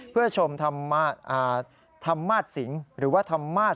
เพื่อชมธรรมาศสิงหรือว่าธรรมาศ